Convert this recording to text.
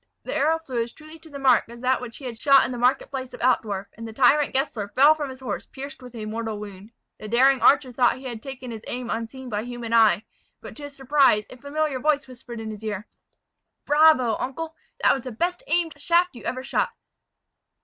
The arrow flew as truly to the mark as that which he had shot in the market place of Altdorf, and the tyrant Gessler fell from his horse, pierced with a mortal wound. The daring archer thought that he had taken his aim unseen by human eye; but, to his surprise, a familiar voice whispered in his ear, "Bravo, uncle! that was the best aimed shaft you ever shot.